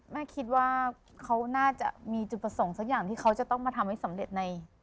แม่คิดว่าเขาน่าจะมีจุดประสงค์สักอย่างที่เขาจะต้องมาทำให้สำเร็จใน